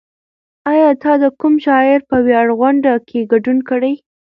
ایا ته د کوم شاعر په ویاړ غونډه کې ګډون کړی؟